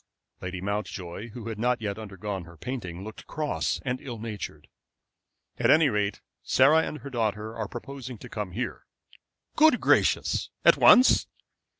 Lady Mountjoy, who had not yet undergone her painting, looked cross and ill natured. "At any rate, Sarah and her daughter are proposing to come here." "Good gracious! At once?"